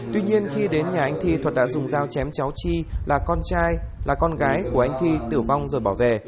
tuy nhiên khi đến nhà anh thi thuật đã dùng dao chém cháu chi là con trai là con gái của anh thi tử vong rồi bỏ về